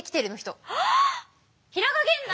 平賀源内！